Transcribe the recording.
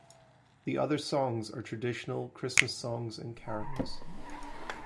The other songs are traditional Christmas songs and carols.